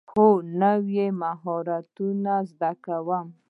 هو، نوی مهارتونه زده کوم